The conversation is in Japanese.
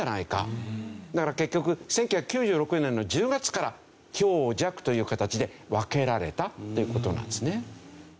だから結局１９９６年の１０月から強弱という形で分けられたという事なんですね。